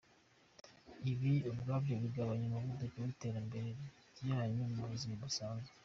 Ibi ubwabyo bigabanya umuvuduko w’iterambere ryanyu mu buzima busanzwe.